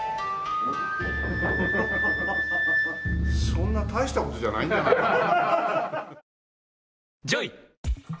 そんな大した事じゃないんじゃないかな。